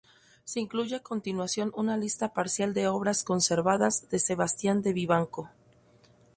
Se incluye a continuación una lista parcial de obras conservadas de Sebastián de Vivanco.